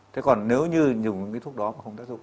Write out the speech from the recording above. thế còn nếu như dùng những cái thuốc đó mà không tác dụng